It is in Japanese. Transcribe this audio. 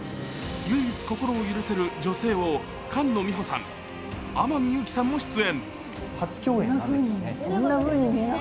唯一心を許せる女性を菅野美穂さん、天海祐希さんも出演。